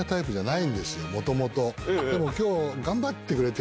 でも今日。